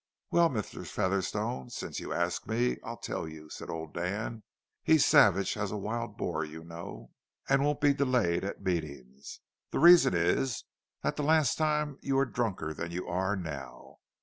'Well, Mr. Featherstone, since you ask me, I'll tell you,' said old Dan—he's savage as a wild boar, you know, and won't be delayed at meetings. 'The reason is that the last time you were drunker than you are now.